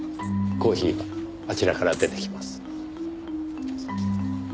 コーヒーあちらから出てきます。